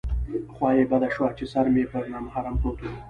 خوا یې بده شوه چې سر مې پر نامحرم پروت و.